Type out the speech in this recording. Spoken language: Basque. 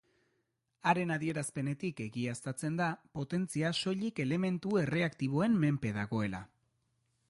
Haren adierazpenetik egiaztatzen da potentzia soilik elementu erreaktiboen menpe dagoela.